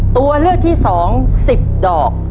ตัวเลือกที่๒๑๐ดอก